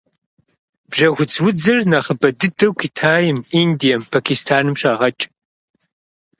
Бжьэхуц удзыр нэхъыбэ дыдэу Китайм, Индием, Пакистаным щагъэкӏ.